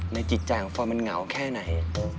จิตใจของฟอยมันเหงาแค่ไหน